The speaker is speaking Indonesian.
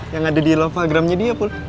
yang ada di lovagramnya dia pun